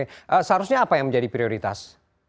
seharusnya apa yang menjadi prioritas